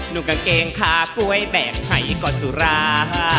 หนุ่มกางเกงคากล้วยแบ่งไหก่ก่อนสุรา